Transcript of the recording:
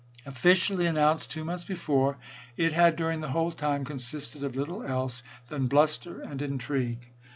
Officially announced two months before, it had during that whole time consisted of little else than bluster and intrigue.